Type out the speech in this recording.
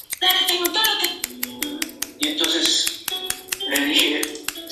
Tito Pinario, amigo de Cicerón, fue probablemente otro nieto y hermano de Lucio.